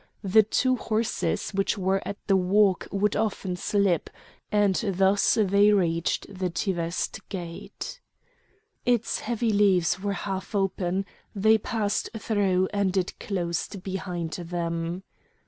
The two horses which were at the walk would often slip; and thus they reached the Teveste gate. Its heavy leaves were half open; they passed through, and it closed behind them.